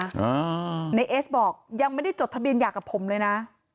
อ่าในเอสบอกยังไม่ได้จดทะเบียนหย่ากับผมเลยนะ